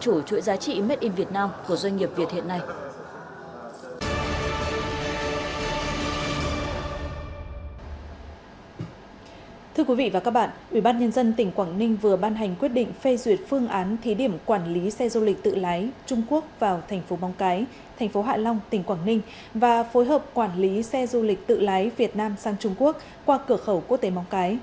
thưa quý vị và các bạn ubnd tỉnh quảng ninh vừa ban hành quyết định phê duyệt phương án thí điểm quản lý xe du lịch tự lái trung quốc vào thành phố mong cái thành phố hạ long tỉnh quảng ninh và phối hợp quản lý xe du lịch tự lái việt nam sang trung quốc qua cửa khẩu quốc tế mong cái